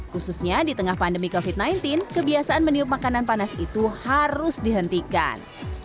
khususnya di tengah pandemi covid sembilan belas kebiasaan meniup makanan panas itu harus dihentikan